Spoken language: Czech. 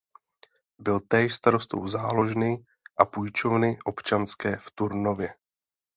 Byl též starostou Záložny a půjčovny občanské v Turnově.